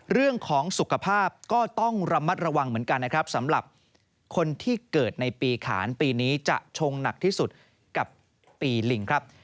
เรื่องของสุขภาพก็ต้องระมัดระวังเหมือนกันนะครับสำหรับคนที่เกิดในปีขานปีนี้จะชงหนักที่สุดกับปีลิงครับ